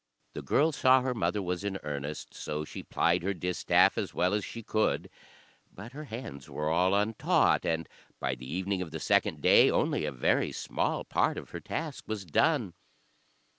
The girl saw her mother was in earnest, so she plied her distaff as well as she could; but her hands were all untaught, and by the evening of the second day only a very small part of her task was done.